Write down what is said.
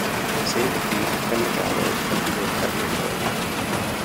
Save a thief from the gallows and he will cut your throat.